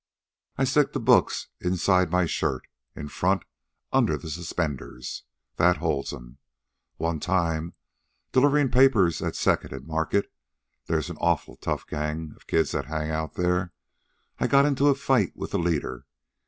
I stick the books inside my shirt, in front, under the suspenders. That holds 'em. One time, deliverin' papers at Second an' Market there's an awful tough gang of kids hang out there I got into a fight with the leader.